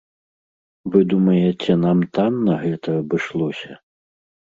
Вы думаеце, нам танна гэта абышлося?